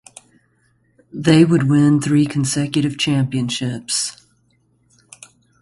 They would win three consecutive championships.